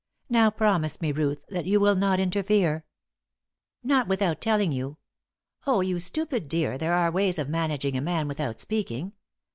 Now, promise me, Ruth, that you will not interfere." "Not without telling you. Oh, you stupid dear, there are ways of managing a man without speaking.